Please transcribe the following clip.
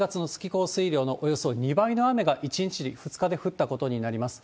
降水量のおよそ２倍の雨が１日、２日で降ったことになります。